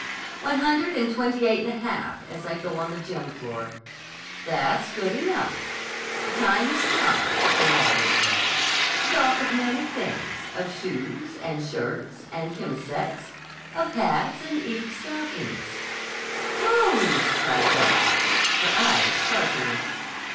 "One hundred and twenty eight and a half, as I go on the gym floor." "That's good enough. 'The time has come,' the walrus said, 'to talk of many things; of shoes, and shirts, and chemisettes, of hats and eke stockings.'" "Clothes!" cried Darcy, her eyes sparkling.